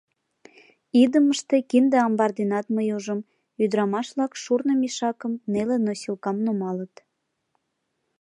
Идымыште, кинде амбар денат мый ужым: ӱдырамаш-влак шурно мешакым, неле носилкам нумалыт.